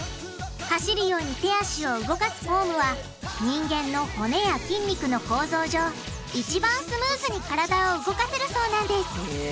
走るように手足を動かすフォームは人間の骨や筋肉の構造上一番スムーズに体を動かせるそうなんです。